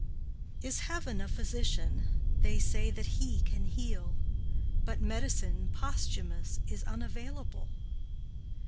XXI. Is Heaven a physician? They say that He can heal, But medicine posthumous Is unavailable.